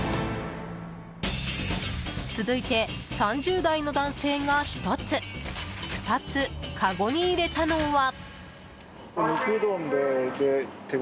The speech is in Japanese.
続いて３０代の男性が１つ、２つかごにいれたのは。